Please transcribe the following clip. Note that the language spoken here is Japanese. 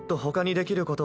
できること？